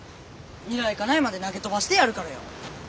ニライカナイまで投げ飛ばしてやるからよ。